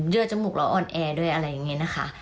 เลือดจมูกแล้วอ่อนแอด้วยอะไรอย่างนี้นะคะ